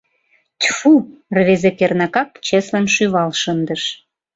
Тьфу — рвезе кернакак чеслын шӱвал шындыш.